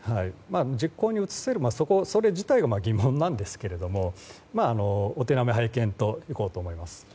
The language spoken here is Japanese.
実行に移せるかそれ自体が疑問なんですけどお手並み拝見といこうと思います。